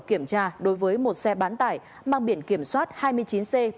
kiểm tra đối với một xe bán tải mang biển kiểm soát hai mươi chín c ba mươi nghìn chín trăm hai mươi bốn